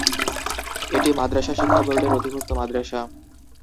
এটি মাদ্রাসা শিক্ষা বোর্ডের অধিভুক্ত মাদ্রাসা।